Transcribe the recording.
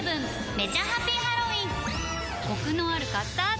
めちゃハピハロウィンコクのあるカスタード！